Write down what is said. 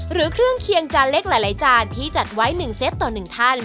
หรือเครื่องเคียงจานเล็กหลายจานที่จัดไว้๑เซตต่อ๑ท่าน